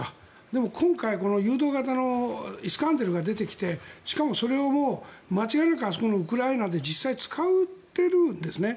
でも、今回誘導型のイスカンデルが出てきてしかも、それをもう間違いなくあそこのウクライナで実際使ってるんですね。